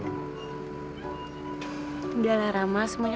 udahlah rama semuanya